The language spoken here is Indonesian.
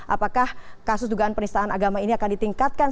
apakah kasus dugaan penistaan agama ini akan ditingkatkan